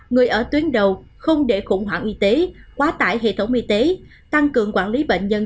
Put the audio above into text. người ở tuyến đầu không để khủng hoảng y tế quá tải hệ thống y tế tăng cường quản lý bệnh nhân